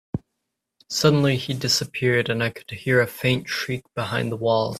Suddenly, he disappeared, and I could hear a faint shriek behind the walls.